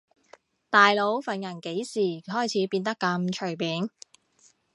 大佬份人幾時開始變得咁隨便